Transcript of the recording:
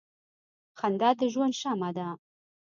• خندا د ژوند شمع ده.